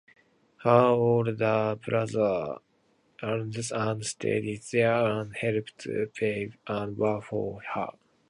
Her older brother Arsene had studied there and helped pave the way for her.